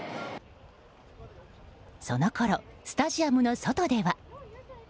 そのころ、スタジアムの外では。